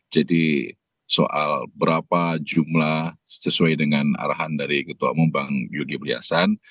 jadi soal berapa jumlah sesuai dengan arahan dari ketua pembangunan yogyakarta pliasan